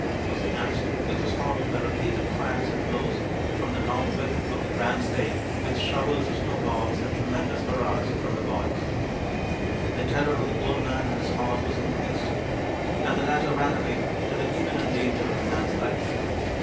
was the answer, which was followed by repeated cracks and blows from the long whip of the grand sleigh, with showers of snowballs, and tremendous hurrahs from the boys. "The terror of the old man and his horse was increased; and the latter ran away, to the imminent danger of the man's life.